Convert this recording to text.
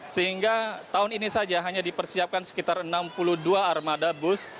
sehingga tahun ini saja hanya dipersiapkan sekitar enam puluh dua armada bus